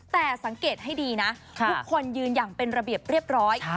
แต่สังเกตให้ดีนะทุกคนยืนอย่างเป็นระเบียบเรียบร้อย